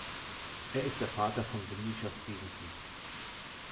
Er ist der Vater von Venetia Stevenson.